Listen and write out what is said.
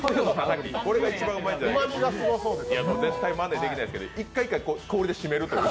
絶対まねできないですけど、１回１回氷でしめるという。